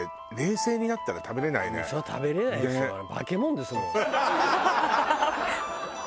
そりゃ食べれないですよあれ。